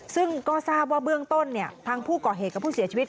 ซึ่งก็ทราบว่าเบื้องต้นทางผู้ก่อเหตุกับผู้เสียชีวิต